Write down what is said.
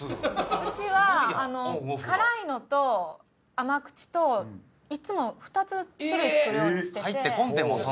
うちは辛いのと甘口といつも２つ種類作るようにしてて。